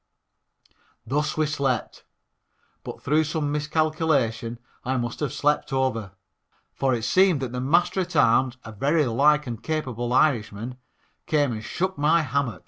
Thus we slept, but through some miscalculation I must have slept over, for it seems that the Master at arms, a very large and capable Irishman, came and shook my hammock.